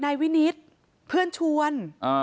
นายวินิตเพื่อนชวน